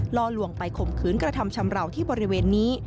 ล่อลวงไปข่มขืนกระทำชำราวที่บริเวณนี้